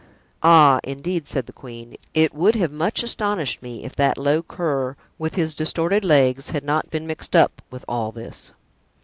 "Ah, indeed," said the queen, "it would have much astonished me if that low cur, with his distorted legs, had not been mixed up with all this."